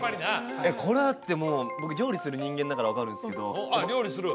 これだってもう僕料理する人間だから分かるんすけどおっ料理する？